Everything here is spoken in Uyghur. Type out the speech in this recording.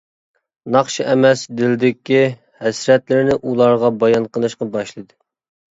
ناخشا ئەمەس دىلىدىكى ھەسرەتلىرىنى ئۇلارغا بايان قىلىشقا باشلىدى.